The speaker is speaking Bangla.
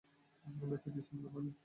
বেচে দিসেন মানে?